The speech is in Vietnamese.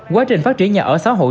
quá trình phát triển nhà ở xã hội